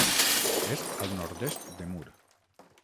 És al nord-est de Mur.